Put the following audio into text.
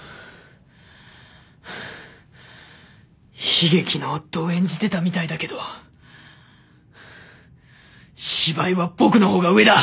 ・悲劇の夫を演じてたみたいだけど芝居は僕の方が上だ。